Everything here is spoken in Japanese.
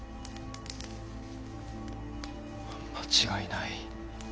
間違いない。